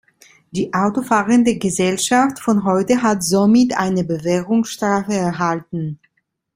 Die autofahrende Gesellschaft von heute hat somit eine Bewährungsstrafe erhalten.